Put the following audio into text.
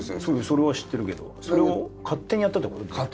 それは知ってるけどそれを勝手にやったってこと？